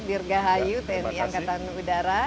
dear gahayu tni angkatan udara